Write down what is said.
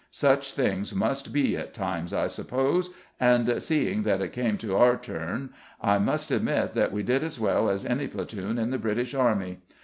Such things must be at times, I suppose, and seeing that it came to our turn, I must admit that we did as well as any platoon in the British Army.